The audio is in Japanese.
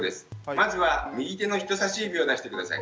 まずは右手の人さし指を出して下さい。